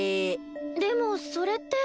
でもそれって。